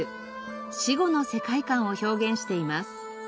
死後の世界観を表現しています。